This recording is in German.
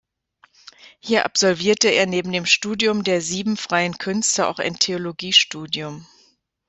Hier absolvierte er neben dem Studium der Sieben freien Künste auch ein Theologiestudium.